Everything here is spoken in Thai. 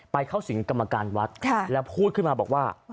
เข้าสิงกรรมการวัดแล้วพูดขึ้นมาบอกว่า